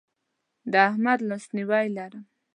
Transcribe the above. د احمد لاسنیوی لرم.